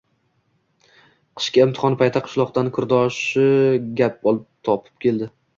Qishki imtihon payti qishloqdan kursdoshi gap topib keldi